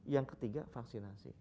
yang ketiga vaksinasi